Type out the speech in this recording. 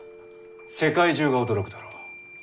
世界中が驚くだろう。